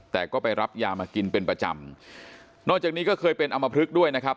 แต่ก็ไปรับยามากินเป็นประจำนอกจากนี้ก็เคยเป็นอำมพลึกด้วยนะครับ